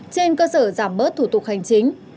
trên cơ sở giảm bớt thủ tục hành chính